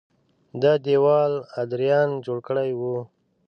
دا دېوال ادریان جوړ کړی و